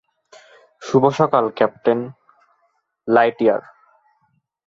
শুভ সকাল, captain Lightyear.